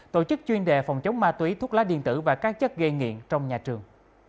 tổ chức chuyên đề phòng chống ma túy thuốc lá điện tử và các chất gây nghiện trong nhà trường